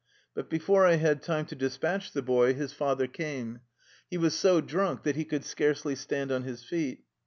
But before I had time to despatch the boy, his father came. He was so drunk that he could scarcely stand on his feet.